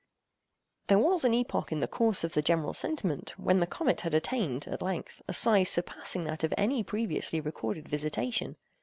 There was an epoch in the course of the general sentiment when the comet had attained, at length, a size surpassing that of any previously recorded visitation.